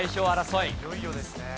いよいよですね。